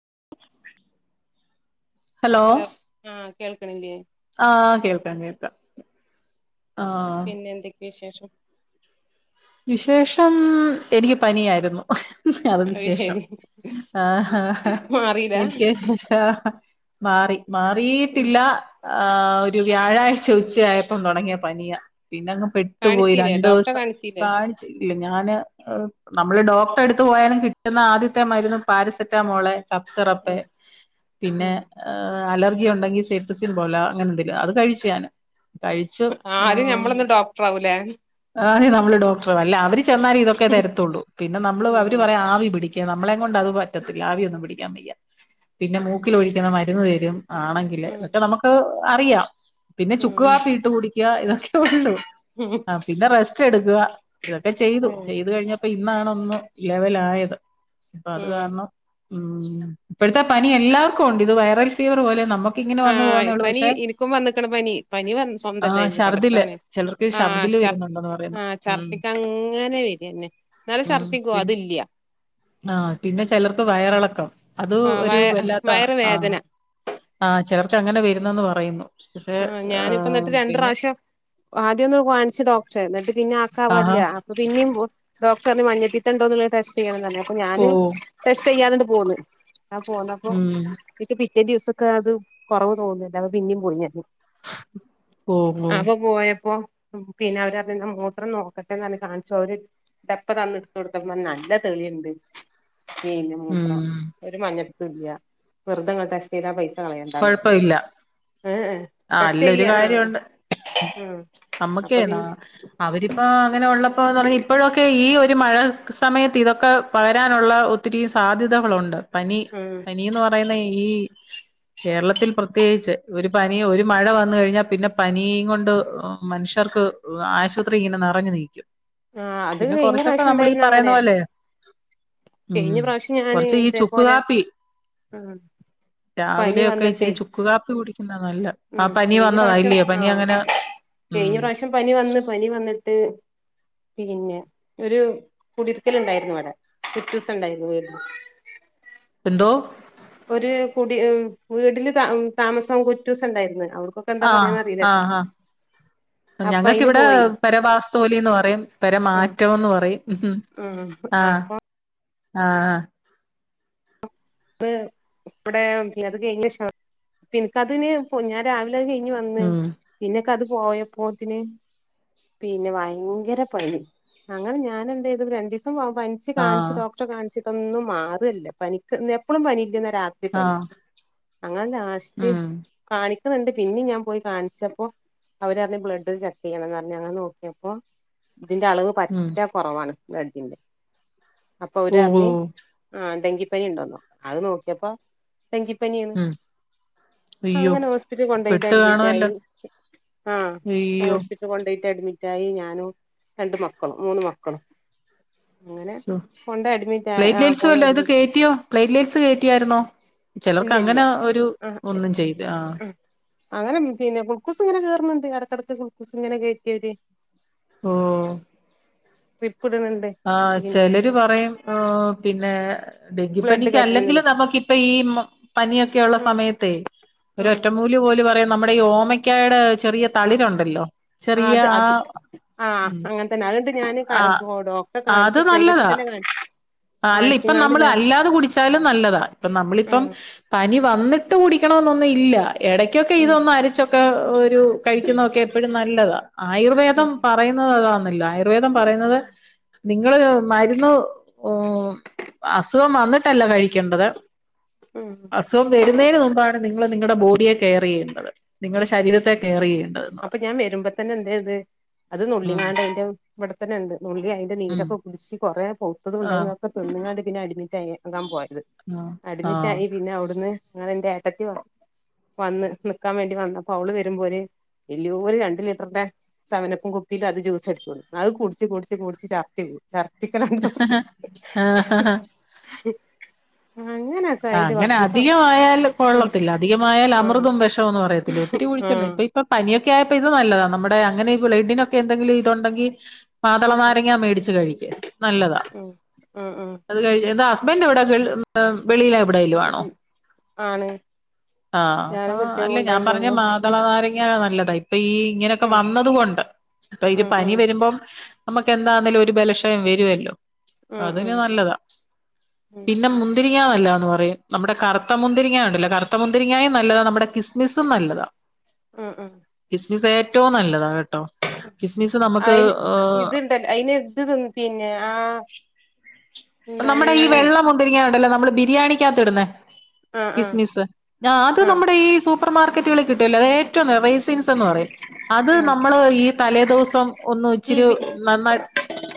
[unintelligible] Hello ആഹ കേൾക്കണില്ലെ ആഹ കേൾക്കാം കേൾക്കാം ആ പിന്നെ എന്തൊക്കെ വിശേഷം വിശേഷം എനിക്ക് പനിയായിരുന്നു [unintelligible] [unintelligible] അത് വിശേഷം ശരി ആ ആ മാറില്ല [unintelligible] എനിക്ക് മാറി ഉം മാറീട്ടില്ല ആ് ആ ഒരു വ്യാഴാഴ്ച ഉച്ചയായപ്പം തുടങ്ങിയ പനിയ പിന്നങ്ങ് പെട്ടുപോയി കാണിച്ചീല്ലേ രണ്ടു ഡോക്ടറെ വ്സം കാണിച്ചീല്ലേ കാഴ്ച്ചില്ല [unintelligible] ഞാൻ നമ്മള് ഡോക്ടറെ എടുത്ത് പോയാലും കിട്ടുന്ന ആദ്യത്തെ മരുന്ന് പാരസെറ്റാമോള് കപ്പ്സിറപ്പ് ഉം പിന്നെ ഉം അലർജി ഉണ്ടെങ്കി [unintelligible] മ്പോല അങ്ങനെ [unintelligible] അത് കഴിച്ചു ഞാൻ കഴിച്ചു ആദ്യം ഉം ഞമ്മളൊന്ന് ഡോക്ടർ ആവൂലേ ആ നി നമ്മള ഡോക്ടർ അല്ല അവര് ചെന്നാലേ ഇതൊക്കെ തരത്തുള്ളൂ. പിന്നെ നമ്മള് അവര് ഉം പറയാ ആവി പിടിക്കു നമ്മളെ കൊണ്ട് അത് പറ്റത്തില്ല. ആവി ഒന്നും പിടിക്കാൻ പയ്യ. പിന്നെ മൂക്കില് ഉം ഒഴിക്കണ മരുന്ന് തരും. ആണെങ്കില് ഉം എന്നക്കെ നമുക്ക് അറിയാം. പിന്നെ ഉം ചുക്ക്കാപ്പീഇട്ട് കുടിക്കുക. ഇതൊക്കെ ഒള്ളു. ഉം ആ പിന്നെ റസ്റ്റ് എടുക്ക. ഇതൊക്കെ ചെയ്തു. ഉം ചെയ്തു കഴിഞ്ഞപ്പോ ഇന്നാണ് ഒന്ന് ലെവലായത്. അപ്പൊ അത് ഉം കാരണം ഉം ഇപ്പോഴത്തെ പനി എല്ലാവർക്കും ഉണ്ട് ഇത് വൈറൽ ഫീവർ പോലെ നമ്മു ഇങ്ങനെ വന്നു ആഹ് പോവുന്നുള്ളു. പനി പക്ഷേ എനിക്കും വന്നിക്കണ് പനി പനി വ ആ സ്വന്തല്ലായിരുന്നു ശർദില് പടച്ചോനെ ചേലോർക് ആഹ് ശർദ്ദി ചർ വരുന്നുണ്ടന്ന് പറയുന്നു. ആഹ് ഉം ഛർദിക്ക് അങ്ങനെ വരന്നെ എന്നാല് ഉം ഛർദിക്കോ പിന്നെ അത് ഇല്ല്യ. ആഹ് പിന്നെ ചിലർക്ക് വയറിളക്കം. അത് ആഹ് ഒരു വയ വല്ലാത്ത, വയറ് വേദന ആഹ് ആ ചിലർക്ക് അങ്ങനെ വരുന്നന്ന് പറയുന്നു. പക്ഷെ ആ ഏഹ് ഞാനിപ്പോന്നിട്ട് രണ്ട് പിന്നെ പ്രാവശ്യം ആദ്യം ഒന്ന് കാണിച്ചു ഡോക്ടറെ എന്നിട്ട് പിന്നെ കവല്ല ആഹാ അപ്പൊ പിന്നിം ഡോക്ടർ പറഞ്ഞു, മഞ്ഞിട്ടീട്ടുണ്ടോന്ന്ള്ളത് ടെസ്റ്റ് ചെയ്യണം. എ അപ്പൊ ഞാന് ഓഹ് ടെസ്റ്റ് ചെയ്യാന് ഇങ്ങട്ട് പോന്ന് ഞൻ പോന്നപ്പോ ഉം എനിക്ക് പി ഈ ദിവസൊക്കെ അത് കുറവ് തോന്നില്ല, അപ്പൊ പിന്നേം പോയി ഞാൻ. ഓഹ് ഓഹ് അപ്പൊ പോയപ്പോ പിന്നെ അവര് പറഞ്ഞു എന്റെ മൂത്രം നോക്കട്ടെന്ന് പറഞ് കാണിച്ചു അവര് ടെപ്പ തന്ന് എടുത്ത് കൊടുത്തപ്പോ നല്ല തെളിയിണ്ട് കയിഞ്ഞ മൂത്രം ഉം ഒരു മഞ്ഞപിതോംല്ല്യ വെറുതെ ഇങ്ങ ടെസ്റ്റിതാ ആ പൈ കളയണ്ടാന്ന് ഏ ഏ ആ അല്ലോരു കാര്യോണ്ട്. ആഹ് നമ്മുക്കെ അപ്പൊ ന്നാ പിന്നെ അവരിപ്പോ അങ്ങനെ ഒള്ളപ്പോ പറയു ഇപ്പോഴക്കെ ഈ ഈ ഒരു മഴ സമയത്ത് ഇതൊക്കെ പകരാനുള്ള ഒത്തിരി സാധ്യതകളോണ്ട്. പനി ആഹ് പനീന്ന് പറയുന്ന ഈ കേരളത്തിൽ പ്രത്യേകിച്ച് ഒരു പനി ഒരു മഴ വന്നു കഴിഞ്ഞാ പിന്നെ പനീം കൊണ്ട് മനുഷ്യ ർക്ക് ആശുപത്രി ഇങ്ങന നെറഞ്ഞു നിക്കും. ആഹ് അത് പിന്നെ കഴിഞ്ഞ കൊറച്ചൊക്കെ പ്രാവശ്യം നമ്മൾ ഈ ഉണ്ടായിരുന്നു പറയണ അങ്ങനെ പോലെ ഉം കഴിഞ്ഞ പ്രാവശ്യം ഞാന് കൊറച്ച് ഈ ചുക്ക് ഇതേപോലെ കാപ്പി ഉം രാവി പനി ലൊക്കെ വന്നിട്ടേ ഇച്ചിരി ചുക്ക് കാപ്പി കുടിക്കുന്നാ നല്ല ആ ഉം പനി കഴിഞ്ഞ വന്നതാ പ്രാവശ്യം ഇല്ലയോ പനി ആഹ് അങ്ങന കഴിഞ്ഞ പ്രാവശ്യം പനി വന്ന്, പനി വന്നിട്ട് പിന്നെ ഒരു കുടിയിരിക്കൽ ഇണ്ടായിരുന്നു ഇവിടെ കുട്ടൂസൻ ഉണ്ടായിരുന്നു പോ എന്തോ? ഒരു കുടി ഏഹ് വീടിന് ത താമസം കുട്ടൂസ് ഒണ്ടായിരുന്നു. അവിടക്കൊക്കെ എന്താ പറയാന്ന് അറിയിലട്ടാ. ഞങ്ങക് ഇവിടെ പര വാസ്തോലിന്ന് പറയും, ഉം പരമാറ്റം എന്ന് പറയും. ഉം ഉം ആഹ് അപ്പൊ ആഹ് ആ അത് ഇവിടെ അത് ക ശ പിൻക്കതിന് ഞാൻ രാവിലെ കയിഞ്ഞ് വന്ന് ഉം പിന്നൊക്കെ അത് പോയപ്പൊത്തിന് പിന്നെ ഭയങ്കര പണി അങ്ങനെ ഞാൻ എന്ത്‌ യ്തു രണ്ടീസം പനിച്ച് കാണിച്ച് ആഹ് ഡോക്ടറെ കാണിചിട്ടൊന്നും മാർണില്ല. പനിക്ക് എപ്പോളും പനി ല്ല രാത്രി പനി ആഹ് അങ്ങനെ ലാസ്റ്റ് ഉം കാണി ഇണ്ട് പിന്നിം ഞാൻ പോയി കാണിച്ചപ്പോ അവരറഞ് ബ്ലഡ് ഒന്ന് ചെക്ക് ചെയ്യണന്ന്റഞ് അങ്ങനെ നോക്കിയപ്പോ ഇതിന്റെ അളവ് ഉം പറ്റ കുറവാണ്, ബ്ലഡിന്റെ, അപ്പൊ അവര് ഓ ഓ പറഞ്, ആ ടെങ്കിപ്പനി ഉണ്ടോന്നോ നോക്കാ അത് നോക്കിയപ്പോ ടെങ്കിപ്പനിയാണ്. ഉം അയ്യോ അങ്ങനെ ഹോസ്പിറ്റലിൽ കൊണ്ടോയിട്ട് പെട്ട് അഡ്മിറ്റ് ആയി. കാണുവല്ലോ ആ അയ്യോ ഹോസ്പിറ്റൽ കൊണ്ടയി അഡ്മിറ്റ് ആയി. ഞാനും രണ്ട് മക്കളും, മൂന്ന് മക്കളും. അങ്ങനെ ശോ കൊണ്ട് അഡ്മിറ്റ് ആ പ്ലാറ്റലീറ്സ് പോയി വല്ലതോ അഡ്മിറ്റ് കയറ്റിയോ പ്ലേറ്റ് ലെസ് കയറ്റിയായിരുന്നോ? ഇല്ല ചിലർക്ക് ഇല്ല അങ്ങനെ ഒരു ഒന്നും ചെയ്ത ആ അവര് പിന്നെ ക്ലൂക്കൂസ് ഇങ്ങനെ കേയറുന്നുണ്ട് ഇടക്ക് ഇടക്ക് ക്ലൂക്കൂസ് ഇങ്ങനെ കയറ്റി കയറ്റി ആഹ് ട്രിപ്പ് ഇടുന്നുണ്ട് ആ പിന്നെ ചിലര് പറയും ആ പിന്നെ ബ്ലഡ് ഡെങ്കിപ്പനിക്ക് കയറ്റണന്നില്ലേ അല്ലെങ്കിലും നമുക്കിപ്പ ഈ പനിയൊക്കെ ഉള്ള ഉം സമയത്തേ ഒരു ഉം ഒറ്റമൂലി പോലെ പറയാം നമ്മുടെ ഈ ഓമയ്ക്കായടെ ചെറിയ തളിരുണ്ടല്ലോ ആ അത് അത് ആ ഉം അങ്ങനെ തന്നെ ആ ഇണ്ട് ഞാന് ആഹ് ഡോക്ടറെ അത് കാണിച്ചു പ്രൈവറ്റിൽ നല്ലതാ തന്നെ കാണിച്ചു. ആ അല്ല ഇപ്പ കാണിച്ചിങ്ങാണ്ട് നമ്മൾ ഞാൻ അല്ലാതെ കുടിച്ചാലും നല്ലതാ ഇപ്പ നമ്മളിപ്പം ഉം പനി വന്നിട്ട് കുടിക്കണന്നൊന്നു ഇല്ല. ഇടയ്ക്കൊക്കെ ഉം ഇതൊന്ന് അരിച്ചൊക്കെ ഒരു കഴിക്കുന്നതൊക്കെ എപ്പോഴും നല്ലതാ ആയുർവേദം ഉം പറയുന്നത് അതാ. ആയുർവേദം പറയുന്നത് നിങ്ങള് മരുന്ന് ഓ അസുഖം വന്നിട്ടല്ല കഴിക്കേണ്ടത്. ഉം അസുഖം വരുന്നതിന് മുമ്പാണ് നിങ്ങള് നിങ്ങളുടെ ബോഡിയെ കെയർ ചെയ്യണ്ടത് നിങ്ങളുടെ ഉം ശരീരത്തെ കെയർ എയ്യേണ്ടത്. അപ്പൊ ഞാൻ വരുമ്പോ തന്നെ എന്തേത് അത് ഉം നുള്ളിങ്ങാണ്ട് അയിന്റെ ഇവട് ത്തന്നെ ഇണ്ട്. നുള്ളി അയിന്റെ ഉം നീരൊക്കെ കുടിച്ച് കുറെ പൗത്തത് ആ ഉണ്ടായിന്ന് അതൊക്കെ നിന്ന്ങ്ങാണ്ട് പിന്നെ അടിമി റ്റായി ക്കാൻ പോയത് ആ അഡ്മിറ്റായി ആയി പിന്നെ അവിടുന്ന് ഇന്നലെന്റ്റെ ത്തി വന്ന് നിക്കാൻ വേണ്ടി വന്നപ്പോ അവള് വരുമ്പോര് വല്യോര് ഒരു രണ്ട് ലിറ്ററിന്റെ സെവൻ അപ്പ്‌ കുപ്പില് അത് ജ്യൂസ്‌ അടിച്ചു കൊണ്ടൊന്നു കുടിച് കുടിച് കുടിച് ചാർത്തി കു ചർ ആഹഹഹ ആഹ ഹ. അങ്ങനൊക്കെ ആ ആയിട്ട് അങ്ങനെ കൊറച്ചീസം അധികമായാൽ ആഹ് കൊള്ളത്തില്ല അധികമായാൽ ആഹ് അമൃതം വെഷോന്ന് പറയത്തില്ലേ ഒത്തിരി കുഴിച്ച ല ആഹ് ഇപ്പ ഇപ്പൊ പനിയൊക്കെ ആയപ്പോ ഇത് നല്ലതാ നമ്മുടെ അങ്ങനെ ബ്ലഡ്‌ നൊക്കെ എന്തെങ്കിലും ഇതുണ്ടെങ്കിൽ. മാതള ഉം നാരങ്ങ മേടിച്ചു കഴിക് നല്ലതാ ഉം ഉം ഉം അത് ക [unintelligible] [unintelligible] ന്റെ എവിടെ വെളിയില എവിടെലും ആണോ? ഉം ആണ് ആഹ അ ഞാനും കുട്ടികളും അല്ല ഞാൻ പറഞ്ഞ ഉണ്ടായിന്നൊള്ളു മാതള നാരങ്ങ നല്ലത് ഇപ്പൊ ഈ ഇങ്ങനെയൊക്കെ ഉം ഉം വന്നത കൊണ്ട് ഇപ്പൊ ഇര് ഉം പനി ഉം വരുമ്പം നമുക്ക് എന്താണേലും ഒരു ബലശയം വരുല്ലോ ഉം അതിന് ഉം നല്ലതാ ഉം പിന്നെ മുന്തി ന്തിരിങ്ങ നല്ലാന്ന് പറയും നമ്മുടെ കറുത്ത മുന്തിരിങ്ങ ഉണ്ടല്ലോ കറുത്ത മുന്തിരിങ്ങും നല്ലതാ നമ്മുടെ കിസ്മിസും നല്ലതാ. ഉംഉം. ഏറ്റവും നല്ലതാ കേട്ടോ കിസ്സ് മിസ് നമുക്ക് അയിന് ഓ. ഇത്ണ്ടല്ലോ അയിന് ഇത് തിന്ന് പിന്നെ ആ നമ്മുടെ എന്താണ് ഈ വെള്ള മുന്തിരി രിങ്ങാണ്ടല്ലേ നമ്മള് ബിരിയാണിക്കകത്തി ഇടുന്നേ. ആഹ് ആഹ് കിസ്മിസ് ഞാൻ അത് ആഹ് നമ്മുടെ ഈ സൂപ്പർ മാർക്കറ്റുകൾ കിട്ടുവല്ലോ ഏറ്റോം രസിൻസ് പറയും അത് ആഹ് നമ്മള് ഈ തലേദിവസം ഒന്ന ഇച്ചിരി കിവി നന്നായി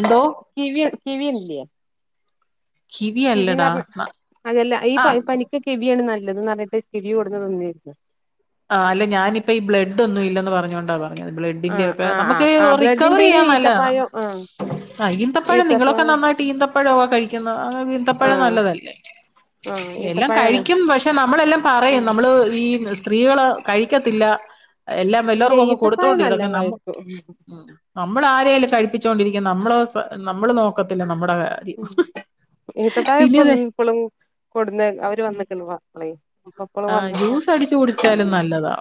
എന്തോ. Kiwi kiwi. [unintelligible] കിവി അല്ലടാ കിവിന്നർഞ്ഞ അതെല്ല ഈ ആ പനിക്ക് കിവി. വ്യാണ് നല്ലതന് പറഞ്ഞിട്ട് കിവി കൊട്ന്ന് തിന്നിര്ന്ന്. ആഹ് അല്ല ഞാനിപ്പ ഈ ബ്ലഡ്ന്നും ഇല്ലന്ന് പറഞ്ഞോണ്ടാ പ ബ്ലഡിന്റെ ആഹ് ഒക്കെ ആഹ് നമുക്ക് ആഹ് ആ റിക്കവറി ബ്ലഡിന്റെന് ചെയ്യാൻ നല്ലതാണ്. ഈത്തപ്പായം ആഹ് ആ് ഈന്തപ്പഴം ഈത്തപ്പഴം നിങ്ങളൊക്കെ നന്നായിട്ട് ഈന്തപ്പഴൊക്കെ കഴിക്കുന്ന അങ്ങ ഈന്തപ്പഴ ആഹ് നല്ലതല്ലേ? ആഹ് എല്ലാം ഈത്തപ്പഴാണ് കഴിക്കും പക്ഷെ നമ്മളെല്ലാം പറയും ഉം നമ്മള് ഈ സ്ത്രീകള് കഴിക്കത്തില്ല എല്ലാം ഇല്ല വലോർക്കും ഈത്തപ്പായം കൊട്ത്തോണ്ടിരി നല്ലോം നമ്മള് കഴിക്കും നമ്മള് ആരേലൊക്കെ കഴിപ്പിച്ചുകൊണ്ടിരിക്കും നമ്മള് സെ നമ്മള് നോക്കത്തില്ല നമ്മുടെ കാര്യം. ഉ ഇത്തപ്പയം ഇപ്പൊ പിന്നെതെ ഇപ്പോളും കൊടുന്ന്ഏരും അവര് വന്ക്ണ് മാപ്പളൈ. അപ്പപ്പോളും ആ വന്നപ്പോ ജ്യൂസ് അടിച്ചു കുടിച്ചാലും നല്ലതാ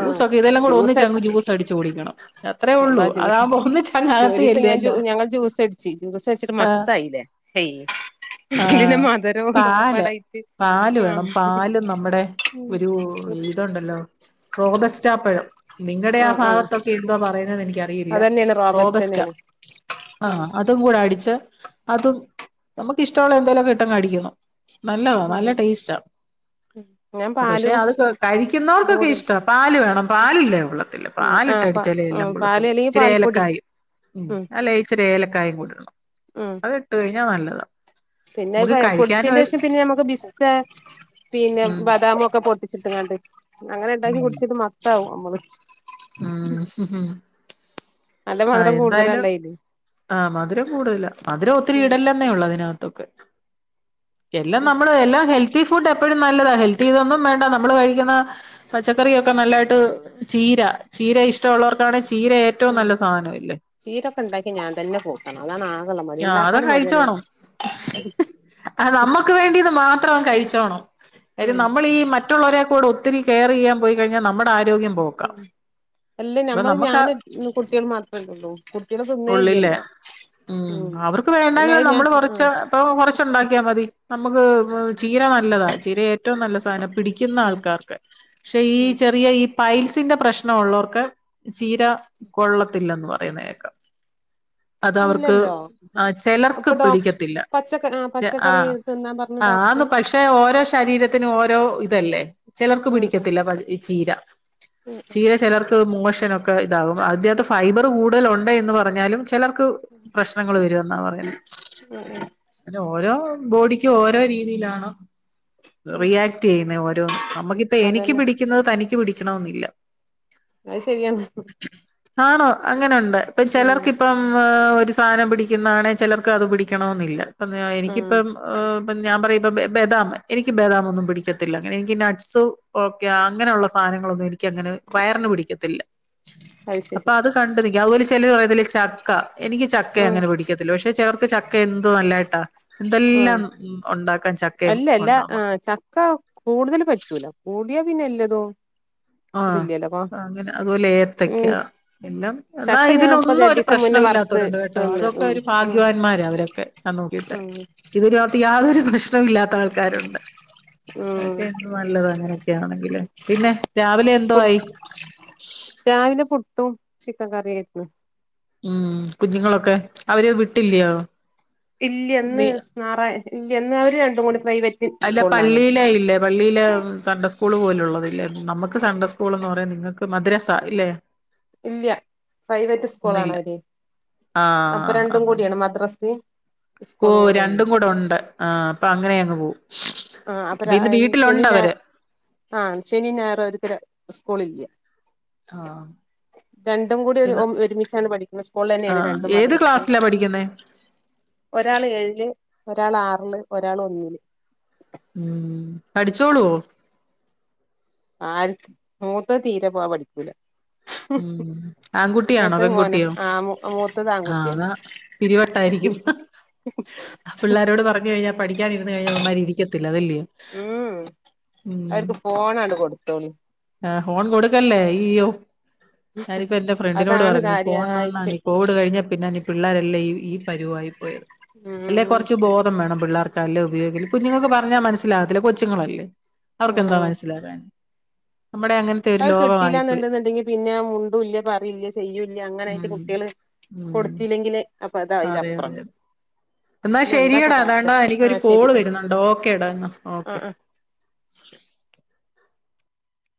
ആ ഇതെല്ലാം കൂടെ ജൂസ ഒന്നിച്ചങ്ങ് ജ്യൂസ് അടിച്ചു കുടിക്കണം അത്രേ അള്ള ഉള്ളൂ ജ്യൂസ് അതാകുമ്പോ ഒന്നിച്ചങ്ങ് അകത്ത് ഒരീസം ഞാൻ ചെല്ലുവല്ലോ ഞങ്ങൾ ജ്യൂസ് അടിച്ചു ജ്യൂസ് അടിച്ചിട്ട് മക [unintelligible] ആ് മധുരവും ഇതൊക്കെ പാല് പാടായിട്ട് പാല് വേണം ആഹ് പാല് നമ്മുടെ ഉം ഒരു. ഇതുണ്ടല്ലോ റോ ബസ്റ്റാപ്പഴം നിങ്ങളുടെ ആ ആഹ് ഭാഗത്തൊക്കെ എന്താ പറയുന്നെന്ന് എനിക്കറിയില്ല. റോബസ്റ്റ്ന്നേണ്. ആഹ അതും കൂടെ അടിച്ച് അതും നമുക്ക് ഇഷ്ടമുള്ള എന്തേലൊക്കെ ഇട്ടങ്ങടിക്കണം. നല്ലത നല്ല ഉം ടേസ്റ്റ. ഞാൻ പക്ഷെ പാലും അത് ഇതും കഴിക്കുനോർക്കൊക്കെ കൂടി ഇഷ്ട്ടാ അടിച്ച് പാല് വേണം പാല് ഇല്ലങ്കികൊള്ളത്തില്ല. ഉം പാൽ ഇട്ട് ആഹ് പ അടിച്ചാലെ എല്ലാം ഉം പാല് കൊള്ളത്തുള്ളൂ അല്ലെങ്കിൽ ചിരി പാൽപ്പൊടി ഏലക്കായിം. ഉം അല്ലേ ഇച്ചിരി ഏലക്കായിം ഉം കൂടടണംഅത് ഇട്ട് കഴിഞ്ഞാൽ നല്ലത. പിന്നെ പൊടിച്ചന്റെ ശേഷം പിന്നെ ഞമ്മുക്ക് പിസ്തെ പിന്നെ ഉം ബദാമൊ ക്കെ പൊട കുടിച്ചിട്ടങ്ങാണ്ട് അങ്ങനെ ഉണ്ടാക്കി ഉം കുടിച്ചിട്ട് മത്താവും അമ്മള്. ഉം ഹും ഹും നല്ല ആ മധുരം എന്തായാലും കൂടുതലല്ലേ അയിന് ആ മധുരം കൂടുതല മധുരം ഒത്തിരി ഉം ഇടലന്നെ ഉള്ളൂ. അതിനകത്തൊക്കെ. എല്ലാം ഉം നമ്മള് എല്ലാം ഹെൽത്തി ഫുഡ് എപ്പോഴും നല്ലതാ ഹെൽത്തി ഇതൊന്നും വേണ്ട. നമ്മൾ കഴിക്കുന്ന പച്ചക്കറിയൊക്കെ നല്ലതായിട്ട് ചീര ചീര ഇഷ്ടമുള്ളവർക്കാണെ ചീര ഏറ്റവും നല്ല സാ. ചീരൊക്ക ഉണ്ടാക്കി ഞാൻ തന്നെ കൂട്ടണം അതാണ് ആകള്ള മടി ഉണ്ടാക്കാനും മടിയാണ്. അ നമ്മുക്ക് വേണ്ടിത് മാത്രം കഴിച്ചോണം. കാര്യം ഉം നമ്മൾ ഈ മറ്റുള്ളവരെ കൂടെ ഒത്തിരി കെയർയ്യാൻ പോയി കഴിഞ്ഞാൽ നമ്മുടെ ആ. ഉ അല്ല ഞമ്മള് നമുക്ക് ഞാന് കുട്ടികൾ മാത്രം ള്ളൂ കുട്ടികള് തിന്നേ ഉള്ളില്ലേ ഇല്ലല്ലോ? ഉം അവർക്ക് പിന്നെ വേണ്ടെങ്കിലും അത് ഞാൻ നമ്മള് കൊറച്ച ആഹ് ഇപ്പൊ കൊറച്ച ഉണ്ടാക്കിയാൽ മതി നമുക്ക് ഉം ചീര. നല്ലതാ ചീര ഏറ്റവും നല്ല സാധനം പിടിക്കുന്ന ആൾക്കാർക്ക് പക്ഷെ ഈ ഉം ചെറിയ ഈ. പൈൽസിന്റെ പ്രശ്നോള്ളർക്ക് ചീര കൊള്ളത്തില്ലന്ന് പറയുന്നേക്കാം. അത് അവർക്ക് അല്ലല്ലോ ആ ചിലർക്ക് അപ്പൊ ഡോക്ടർ പിടിക്കത്തില്ല പച്ചക്ക ആ ച പച്ചക്കറി ആഹ തിന്നാൻ പറഞ്ഞു ആന്ന് ഡോക്ടർ പക്ഷെ ഓരോ ശരീരത്തിനും ഓരോ ഇ. ഇല്ലേ ചിലർക്ക് ഉം ഉം പിടിക്കത്തില്ല ചീര. ഉം ചീര ചിലർക്ക് മോശനൊക്കെ ഇതാവും അതിനകത്ത് ഫൈബർ കൂടുതൽ ഉണ്ട്ന്ന് പറഞ്ഞാലും ചിലർക്ക് പ്രശ്നങ്ങൾ വരന്നാ ഉം ഉം പറയുന്നേ ഓരോ ബോഡിക്കും ഓരോ രീതിയിലാണോ ഉം റിയാക്ട് ചെയ്യുന്നേ ഓരോന്നും നമുക്കിപ്പോ എനിക്ക് അതന്നെ പിടിക്കുന്നത് തനിക്ക് പിടിക്ക. ക്കണമെന്നില്ല. അത് ശെരിയാണ്. ആണോ അങ്ങനെണ്ട് ഇപ്പം ചിലർക്ക ഇപ്പം ഒരു സാധനം പിടിക്ക. ടിക്ക്ണന്നാ ചിലർക്ക് അത് പിടിക്കണന്നില്ല പ്പ ഞാൻ ഉം എനികെപ്പൊ ഞാൻ പറയും. ഇപ്പൊ ബദാം എനിക്ക് ബദാം ഒന്നും പിടിക്കത്തില്ല അങ്ങനെ എനിക്ക് നട്ട്സ് ഓക്കെ അങ്ങനെയുള്ള സാധനങ്ങളൊന്നും എനി. എനിക്കങ്ങനെ വയറിനു പിടിക്കത്തില്ല. അപ്പൊ അത് കണ്ട്നിക്ക അതുപോലെ ചിലർ പറയല് ചക്ക എനിക്ക് ചക്ക ഉം അങ്ങനെ പിടിക്കത്തില്ല പക്ഷെ ചെർ ചക്ക എന്തോ നല്ലായിട്ടാ എന്തെല്ലാം ഉണ്ട. അല്ലല്ല ആ ചക്ക കൂടുതൽ പറ്റൂല. കൂടിയാ പിന്നെ എല്ലതോ. ആ അങ്ങനെ അതുപോലെ ഏത്തക്ക ഉം എല്ലാം എന്നാ ചക്ക ഞാൻ ഇപ്പൊ ഇതിനൊന്നും ഒരു രണ്ടീസം മുന്നേ പ്രശ്നംല്ല. വറുത്ത് ല്ലത്തവരുണ്ട് കേട്ടോ തിന്ന് അതൊക്കെ ഉം ഒരു ഉം ഭാഗ്യവാന്മാരെ അവരൊക്കെ. ഞാൻ നോക്കയിട്ട് ഉം ഇതിനകത്ത് യാതൊരു പ്രശ്നോ പ്രശനമില്ലാത്ത ആൾക്കാരുണ്ട് ഉം അതൊക്കെ എന്ത് നല്ലതക്കെയങ്ങനെയങ്കില് പിന്നെ രാവിലെ എന്തോ പു ആയി. ചിക്കൻകറി അയിക്ക്ണ്. ഉം കുഞ്ഞുങ്ങളൊക്കെ അവര് വിട്ടില്ലയോ? ഇല്ലന്ന് നീ നാറ ഇല്ലന്ന് അവര് രണ്ടും കൂടി പ്രൈവറ്റ് അല്ല സ്കൂളിലാണേ പള്ളിയില ഇല്ലേ പള്ളിയില സണ്ട സ്കൂള് പോലുള്ളത്ല്ലേ നമുക്ക് സണ്ടസ്കൂ സ്കൂളെന്ന് പറയാ നിങ്ങൾക്ക് മദ്രസ ഇല്ലെ ഇല്ല പ്രൈവറ്റ് സ്കൂളാണ് അവര് അപ്പൊ ആഹ് രണ്ടും ആഹ് ആഹ് കൂടിയാണ് മദ്രസ്ന്ന് ഓ രണ്ടും കൂടെ ഉണ്ട് ആഹ അപ്പൊ അങ്ങനെ അങ്ങ് പോവും. ആ അപ്പ അപ്പൊ ര ഇന്ന് വീട്ടിലുണ്ട് അവര് ആ ശനി ഞായറ ഒരുത്തിരെ സ്കൂൾ ഇല്ല ആ രണ്ടും കൂടി ഒരു ഇന്ന് ഒരുമിച്ചാണ് പഠിക്കുന്ന സ്കൂളിൽ ആ തന്നെയാണ് രണ്ടും ഏത് മദ്രസ്ത്ത് ക്ലാസ്സിലാ പഠിക്കുന്നേ ഒരാള് ഏഴ്‌ല് ഒരാള് ആറില് ഒരാള് ഒന്നില് ഉം പഠിച്ചോളു ആൽ മൂത്ത തീരെ പോവാ പഠിക്കൂല. ഉം ആൺകുട്ടിയാണോ മൂത്തത് മോനാ പെൺകുട്ടിയോ ആഹ് മൂത്തത് ആ ആൺകുട്ടിയാണ് അതാ പിരിവട്ടായിരിക്കും. ആ പിള്ളാരോട് പറഞ്ഞു കഴിഞ്ഞാ പഠിക്കാനിരുന്നഴിഞ്ഞാ അവന്മാരിരിക്കത്തില്ല അതല്ലോ. ഉം അവർക്ക് ഫോണാണ് കൊടുത്തോളൂ- ആ ഫോൺ കൊടുക്കല്ലേ യ്യോ ഞാനിപ്പോ എന്റെ ഫ്രണ്ടിനോട് അതാണ് പറയുണ് ഫോൺ വന്നാണ് കാര്യായിട്ട് ഈ കോവിഡ് കഴിഞ്ഞ പിന്നെ പിള്ളേരല്ലേ ഈ ഈ പരുവായി പോയത് അല്ലേ ഉം കുറച്ച് ബോധം വേണം പിള്ളേർക്കല്ല ലൊ. ഉപയോ കുഞ്ഞുങ്ങൾക്ക് പറഞ്ഞാ മനസ്സിലാകത്തില്ല കൊച്ചുങ്ങളല്ലേ അവർക്ക്ന്താ ഉം മനസ്സിലാകാന്? അത് കിട്ടില്ലന്നുണ്ടുണ്ടെങ്കിൽ പി പിന്നെ മുണ്ടുംല്ല പറില്ല ചെയ്യൂല്ല അങ്ങനെയിട്ട് ഉം കുട്ടികള് ഉം കൊടുത്തില്ലെങ്കില് പ്പതാ അയ് അതെ ലപ്പുറ അതെ എന്നാ ശരിയടാ അതാണ്ടാ എനകൊരു കോൾ ആ വരുന്നുണ്ടോ ഓക്കെടാ ന്നാ ആ ഓക്കെ ആ